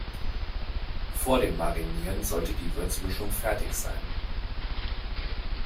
Vor dem Marinieren sollte die Würzmischung fertig sein.